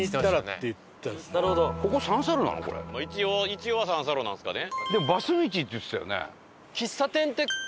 一応は三叉路なんですかね。